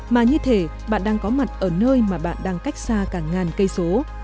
mà như thế bạn đang có mặt ở nơi mà bạn đang cách xa cả ngàn cây số